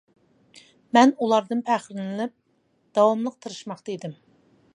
مەن ئۇلاردىن پەخىرلىنىپ، داۋاملىق تىرىشماقتا ئىدىم.